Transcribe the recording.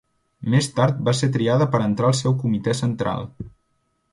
Més tard va ser triada per a entrar al seu Comitè Central.